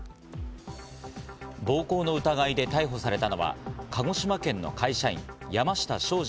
暴行の疑いで逮捕されたのは鹿児島県の会社員・山下昌司